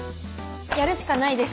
やるしかないです！